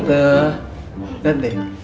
tante lihat deh